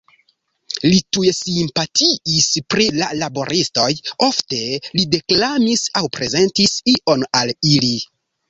Li tuj simpatiis pri la laboristoj, ofte li deklamis aŭ prezentis ion al ili.